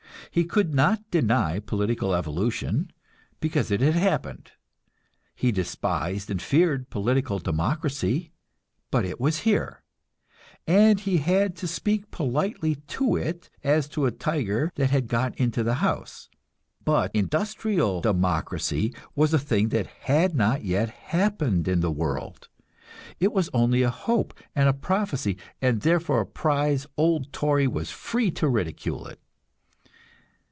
He could not deny political evolution, because it had happened. He despised and feared political democracy, but it was here, and he had to speak politely to it, as to a tiger that had got into his house. But industrial democracy was a thing that had not yet happened in the world; it was only a hope and a prophecy, and therefore a prize old Tory was free to ridicule it.